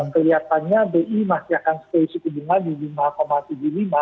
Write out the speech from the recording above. kelihatannya bi masih akan stay suku bunga di lima tujuh puluh lima